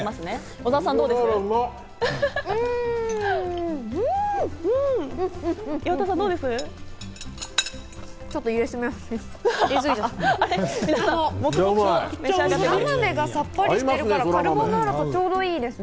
そらまめがさっぱりしてるから、カルボナーラとちょうどいいです